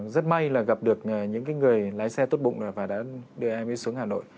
rất may là gặp được những người lái xe tốt bụng và đã đưa em mới xuống hà nội